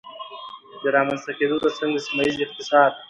د رامنځته کېدو ترڅنګ د سيمهييز اقتصاد